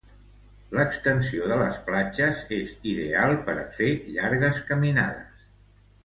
L'extensió de les platges és ideal per a fer llargues caminades.